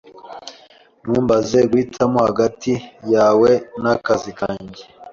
Ntumbaze guhitamo hagati yawe nakazi kanjye.